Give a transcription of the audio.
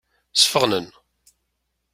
Sfeɣnen.